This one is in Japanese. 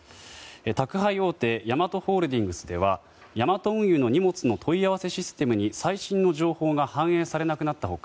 宅配大手ヤマトホールディングスではヤマト運輸の荷物の問い合わせシステムに最新の情報が反映されなくなった他